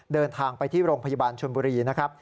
เดินทางไปที่โรงพยาบาลชนบุรีนะครับ